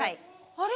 あれ？